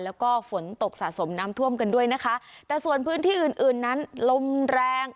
แล้วก็ฝนตกสะสมน้ำท่วมกันด้วยนะคะแต่ส่วนพื้นที่อื่นอื่นนั้นลมแรง